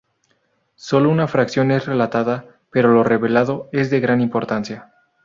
Sólo una fracción es relatada, pero lo revelado, es de gran importancia.